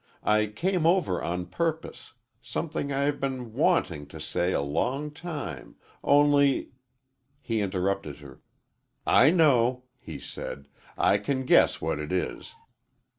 "I came over on purpose something I have been wanting to say a long time, only " He interrupted her. "I know," he said; "I can guess what it is.